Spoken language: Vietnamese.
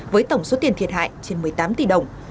với tổng số tiền thiệt hại trên một mươi tám tỷ đồng